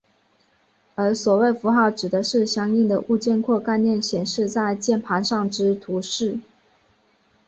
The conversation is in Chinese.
而所谓符号指的是相应的物件或概念显示在键盘上之图示。